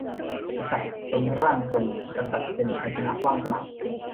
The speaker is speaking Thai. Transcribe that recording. กษัตริย์เป็นร่างทรง กษัตริย์เป็นภาชนะว่างเปล่า